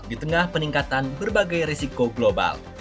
di tengah peningkatan berbagai risiko global